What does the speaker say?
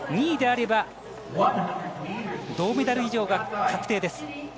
２位であれば銅メダル以上が確定です。